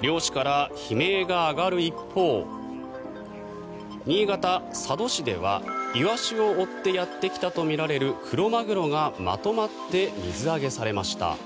漁師から悲鳴が上がる一方新潟・佐渡市ではイワシを追ってやってきたとみられるクロマグロがまとまって水揚げされました。